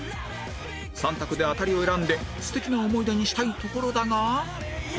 ３択でアタリを選んで素敵な思い出にしたいところだが